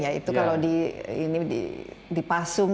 ya itu kalau di pasung